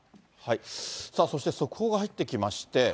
さあそして速報が入ってきまして。